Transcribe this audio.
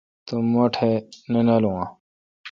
تو مہ ٹھ نہ نالون آں؟